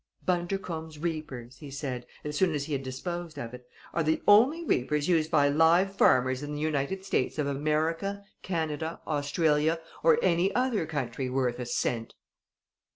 "Bundercombe's Reapers," he said, as soon as he had disposed of it, "are the only reapers used by live farmers in the United States of America, Canada, Australia, or any other country worth a cent!"